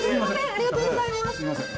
ありがとうございます